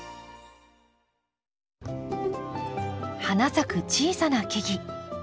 花咲く小さな木々。